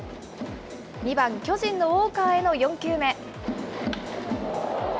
２番、巨人のウォーカーへの４球目。